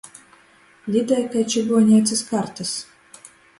Lidoj kai čygoneicys kartys.